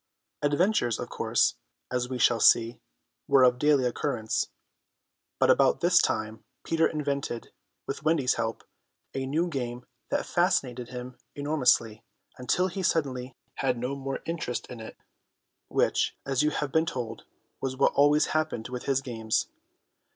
Adventures, of course, as we shall see, were of daily occurrence; but about this time Peter invented, with Wendy's help, a new game that fascinated him enormously, until he suddenly had no more interest in it, which, as you have been told, was what always happened with his games.